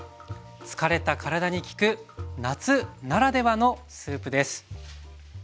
疲れた体に効く夏ならではのスープです。